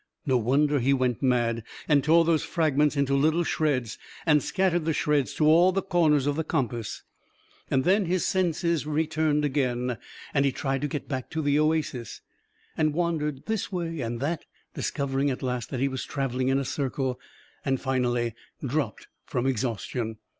No wonder he went mad, and tore those frag ments into little shreds, and scattered the shreds to all the corners of the compass. And then his senses 338 A KING IN BABYLON returned again, and he tried to get back to the oasis, and wandered this way and that ; discovering at last, that he was travelling in a circle ; and finally dropped from exhaustion.